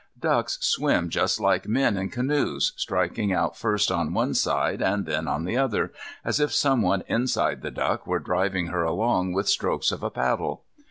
Ducks swim just like men in canoes, striking out first on one side and then on the other, as if someone inside the duck were driving her along with strokes of a paddle.